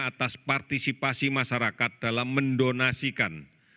atas partisipasi masyarakat dalam mendonasikan